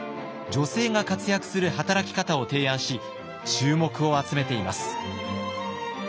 女性が活躍する働き方を提案し注目を集めています。